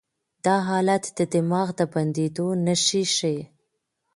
دا حالت د دماغ د بندېدو نښې ښيي.